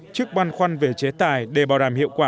trước băn khoăn về chế tài để bảo đảm hiệu quả